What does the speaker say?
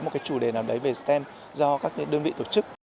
một cái chủ đề nào đấy về stem do các đơn vị tổ chức